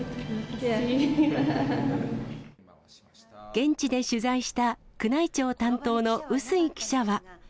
現地で取材した宮内庁担当の笛吹記者は。